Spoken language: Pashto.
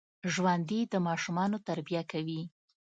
ژوندي د ماشومانو تربیه کوي